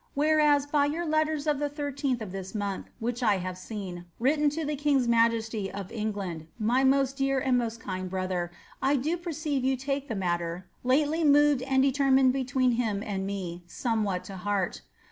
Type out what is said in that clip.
Whereas, bjr your letters of the 13ih of this month, which I have seen, written to the king*s mqjesty of England, my most dear and most kind brother, I do per* ceive you take the matter, lately moved and determined between him and me, •omewhat to heart.